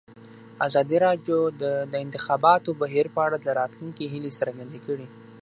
ازادي راډیو د د انتخاباتو بهیر په اړه د راتلونکي هیلې څرګندې کړې.